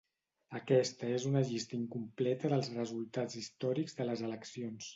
Aquesta és una llista incompleta dels resultats històrics de les eleccions.